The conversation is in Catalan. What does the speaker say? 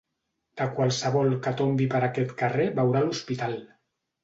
De qualsevol que tombi per aquest carrer veurà l'hospital.